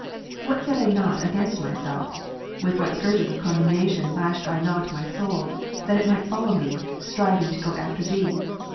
What said I not against myself? with what scourges of condemnation lashed I not my soul, that it might follow me, striving to go after Thee